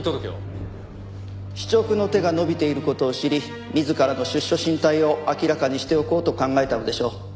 司直の手が伸びている事を知り自らの出処進退を明らかにしておこうと考えたのでしょう。